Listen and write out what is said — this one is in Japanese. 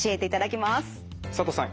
佐藤さん